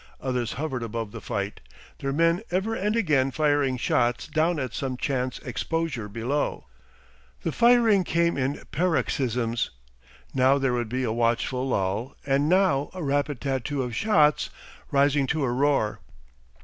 Others hovered above the fight, their men ever and again firing shots down at some chance exposure below. The firing came in paroxysms; now there would be a watchful lull and now a rapid tattoo of shots, rising to a roar.